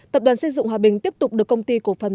tập đoàn xây dựng hòa bình tiếp tục được công ty cổ phần